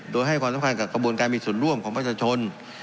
โดยให้ความสำคัญกับกระบวนการมีส่วนร่วมของประชาชน